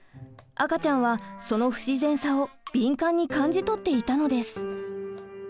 赤ちゃんはその不自然さを敏感に感じ取っていたのです。